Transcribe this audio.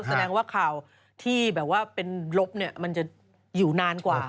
แสดงว่าข่าวที่แบบว่าเป็นลบเนี่ยมันจะอยู่นานกว่า